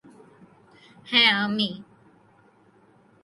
হ্যাঁ, আমিই।